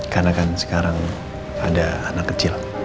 karena kan sekarang ada anak kecil